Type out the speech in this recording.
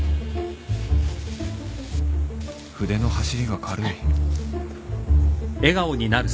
筆の走りが軽い